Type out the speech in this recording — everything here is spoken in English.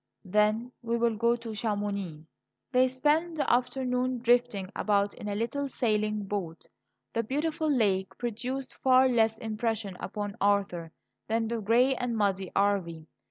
"Then we will go to Chamonix." They spent the afternoon drifting about in a little sailing boat. The beautiful lake produced far less impression upon Arthur than the gray and muddy Arve.